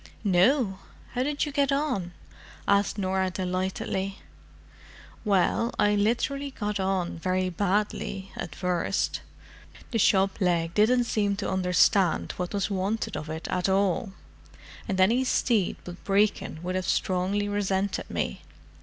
"No! How did you get on?" asked Norah delightedly. "Well, I literally got on very badly—at first. The shop leg didn't seem to understand what was wanted of it at all, and any steed but Brecon would have strongly resented me.